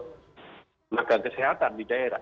menagang kesehatan di daerah